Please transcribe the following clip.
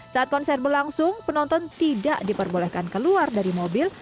saat konser berlangsung penonton tidak diperbolehkan keluar dari mobil